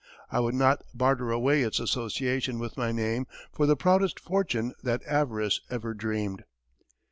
I would not barter away its association with my name for the proudest fortune that avarice ever dreamed."